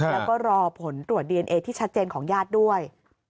แล้วก็รอผลตรวจดีเอนเอที่ชัดเจนของญาติด้วย